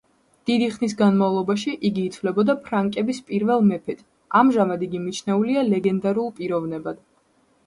დიდი ხნის განმავლობაში იგი ითვლებოდა ფრანკების პირველ მეფედ, ამჟამად იგი მიჩნეულია ლეგენდარულ პიროვნებად.